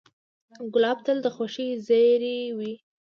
ګلاب تل د خوښۍ زېری وي.